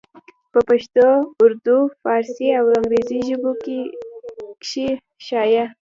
پۀ پښتو اردو، فارسي او انګريزي ژبو کښې شايع